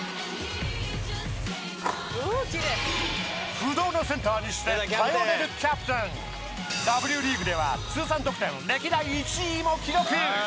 不動のセンターにして頼れるキャプテンＷリーグでは通算得点歴代１位も記録。